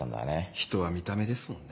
人は見た目ですもんね。